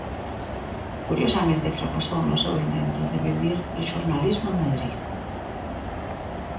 Curiosamente, fracasou no seu intento de vivir do xornalismo en Madrid.